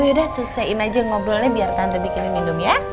yaudah selesain aja ngobrolnya biar tante bikin minum ya